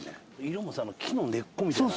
色もさ木の根っこみたいな。